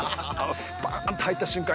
スパーンと入った瞬間